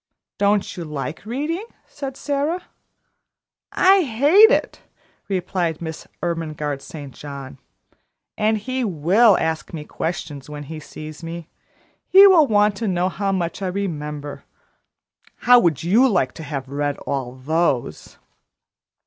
"Don't you like reading?" said Sara. "I hate it!" replied Miss Ermengarde St. John. "And he will ask me questions when he sees me: he will want to know how much I remember; how would you like to have to read all those?"